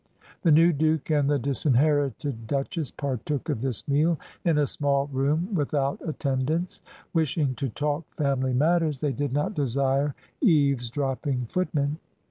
The new Duke and the disinherited Duchess partook of this meal in a small room without attendance. Wishing to talk family matters, they did not desire eavesdropping footmen.